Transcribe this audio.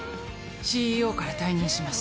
ＣＥＯから退任します。